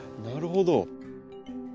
なるほど。